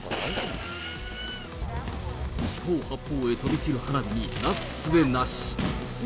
四方八方へ飛び散る花火へなすすべなし。